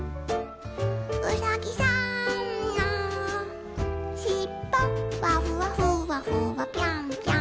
「うさぎさんのしっぽわふわふわふわぴょんぴょん」